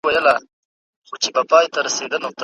علم د پوهې ډېوه ساتي.